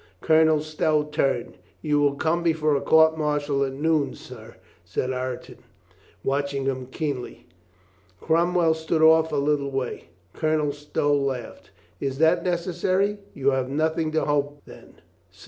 Colonel Stow turned. "You will come before a court martial at noon, sir," said Ireton, COLONEL STOW IS READY 401 watching him keenly. Cromwell stood off a little way. Colonel Stow laughed. "Is that necessary?" "You have nothing to hope, then?"